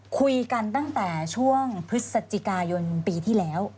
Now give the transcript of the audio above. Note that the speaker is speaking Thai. คุยกันตั้งแต่ช่วงพฤศจิกายนปีที่แล้ว